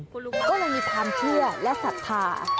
ก็เลยมีความเที่ยวและศักดิ์ภาค